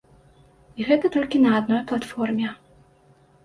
І гэта толькі на адной платформе.